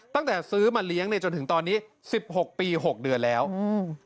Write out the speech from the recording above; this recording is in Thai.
ตั้งแต่ซื้อมาเลี้ยงเนี่ยจนถึงตอนนี้สิบหกปีหกเดือนแล้วอืม